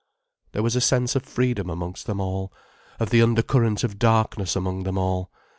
There was a sense of freedom amongst them all, of the undercurrent of darkness among them all.